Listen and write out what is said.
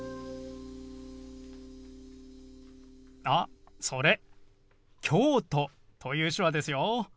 あそれ「京都」という手話ですよ。